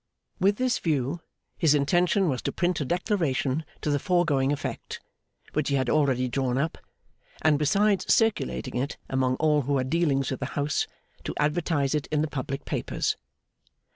With this view, his intention was to print a declaration to the foregoing effect, which he had already drawn up; and, besides circulating it among all who had dealings with the House, to advertise it in the public papers.